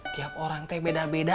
tiap orang teh beda beda